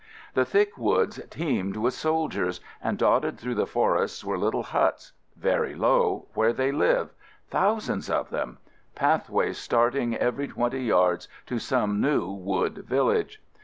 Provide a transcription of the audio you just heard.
The thick woods teemed with soldiers, and dotted through the forests were little huts, very low, where they live — thou sands of them — pathways starting every twenty yards to some new wood village.